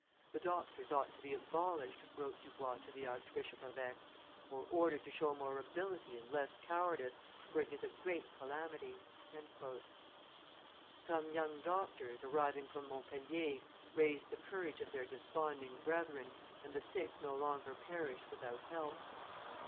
"The doctors ought to be abolished," wrote Dubois to the Archbishop of Aix, "or ordered to show more ability and less cowardice, for it is a great calamity." Some young doctors, arriving from Montpellier, raised the courage of their desponding brethren, and the sick no longer perished without help.